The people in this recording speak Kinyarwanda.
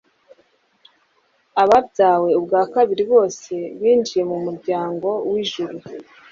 Ababyawe ubwa kabiri bose, binjiye mu muryango w'ijuru,